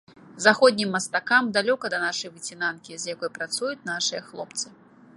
Заходнім мастакам далёка да нашай выцінанкі, з якой працуюць нашыя хлопцы.